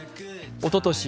おととし